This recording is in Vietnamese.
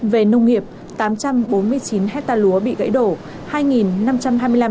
về nông nghiệp tám trăm bốn mươi chín hectare lúa bị gãy đổ